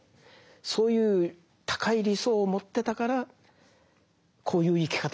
そういう高い理想を持ってたからこういう生き方ができたんですよね。